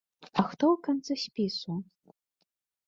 А хто ў канцы спісу?